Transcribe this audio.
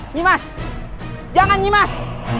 nimas jangan nimas